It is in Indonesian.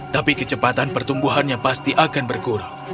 tapi kecepatan pertumbuhannya pasti akan berkurang